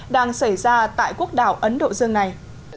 đang xảy ra tại quốc đảo ấn độ dương này